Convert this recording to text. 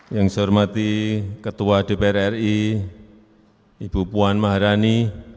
yang saya hormati ketua dpr ri ibu puan maharani